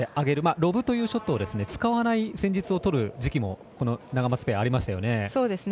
ロブというショットを使わない戦術をとる時期もナガマツペアありましたよね。